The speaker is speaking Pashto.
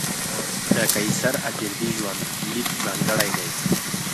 د قیصر اپریدي ژوند لیک ځانګړی دی.